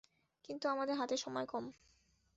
কিন্তু আমাদের হাতে সময় কম।